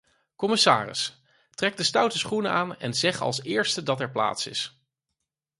Commissaris, trek de stoute schoenen aan en zeg als eerste dat er plaats is.